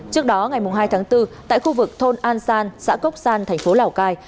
trước đó ngày hai tháng bốn tại khu vực thôn an san xã cốc san thành phố lào cai